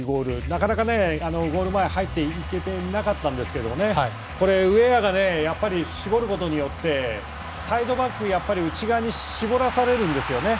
なかなか、ゴール前に入っていけてなかったんですけどこれ、ウェアが絞ることによって、サイドバック内側に絞らされるんですよね。